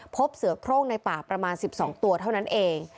พบเสือโครงในป่าประมาณ๑๒ตัวเท่านั้นเอง